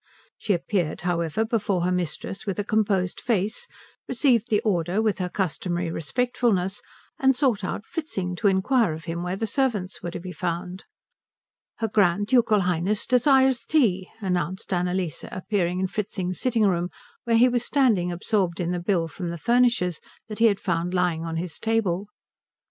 She appeared, however, before her mistress with a composed face, received the order with her customary respectfulness, and sought out Fritzing to inquire of him where the servants were to be found. "Her Grand Ducal Highness desires tea," announced Annalise, appearing in Fritzing's sitting room, where he was standing absorbed in the bill from the furnishers that he had found lying on his table.